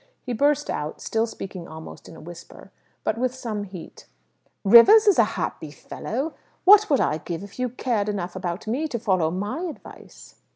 He burst out, still speaking almost in a whisper, but with some heat "Rivers is a happy fellow! What would I give if you cared enough about me to follow my advice!"